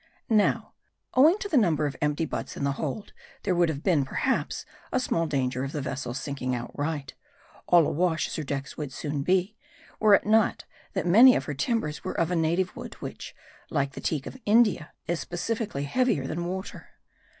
Now, owing to the number of empty butts in the hold, there would have been, perhaps, but small danger of the vessel's sinking outright all awash as her decks would soon be were it not, that many of her timbers were of a native wood, which, like the Teak of India, is specifically heavier than water.